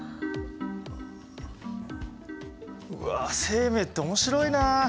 うわ生命って面白いな！